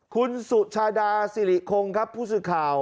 คุณสุชาดาสิริคงครับผู้สื่อข่าว